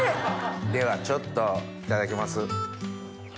ではちょっといただきます。